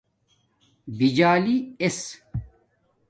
بِجالی ایس